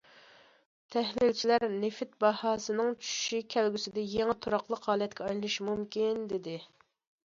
تەھلىلچىلەر،‹‹ نېفىت باھاسىنىڭ چۈشۈشى كەلگۈسىدە يېڭى تۇراقلىق ھالەتكە ئايلىنىشى مۇمكىن›› دېدى.